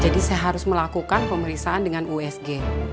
saya harus melakukan pemeriksaan dengan usg